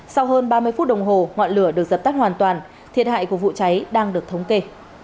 sau hơn ba mươi phút đồng hồ ngọn lửa được dập tắt hoàn toàn thiệt hại của vụ cháy đang được thống kê